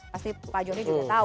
pasti pak joni juga tahu